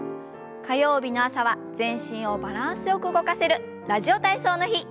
火曜日の朝は全身をバランスよく動かせる「ラジオ体操」の日。